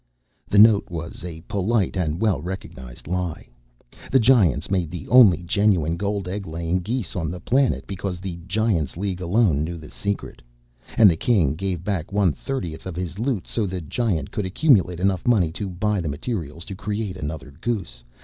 The note was a polite and well recognized lie. The Giants made the only genuine gold egg laying geese on the planet because the Giants' League alone knew the secret. And the King gave back one thirtieth of his loot so the Giant could accumulate enough money to buy the materials to create another goose.